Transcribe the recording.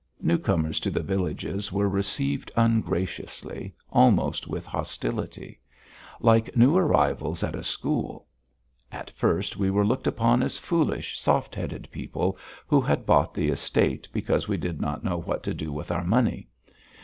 Newcomers to the villages were received ungraciously, almost with hostility; like new arrivals at a school. At first we were looked upon as foolish, soft headed people who had bought the estate because we did not know what to do with our money.